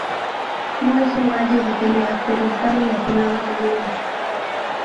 No es un gallo de pelea pero está relacionado con ellos.